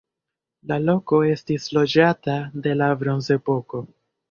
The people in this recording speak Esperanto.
La loko estis loĝata de la bronzepoko.